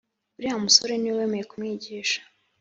uriya musore niwe wemeye kumwigisha